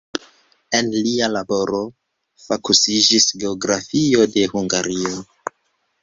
En lia laboro fokusiĝis geografio de Hungario.